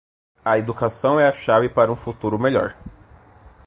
A educação é a chave para um futuro melhor.